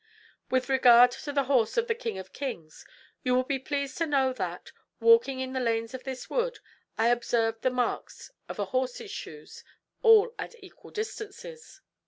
"With regard to the horse of the king of kings, you will be pleased to know that, walking in the lanes of this wood, I observed the marks of a horse's shoes, all at equal distances.